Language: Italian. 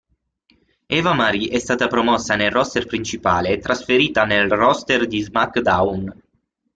Eva Marie è stata promossa nel roster principale e trasferita nel roster di "SmackDown".